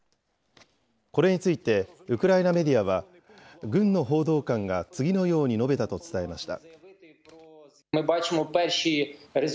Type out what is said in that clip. これについて、ウクライナメディアは、軍の報道官が次のように述べたと伝えました。